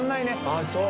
ああそう。